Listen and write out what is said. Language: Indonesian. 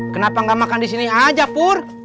kenapa gak makan disini aja pur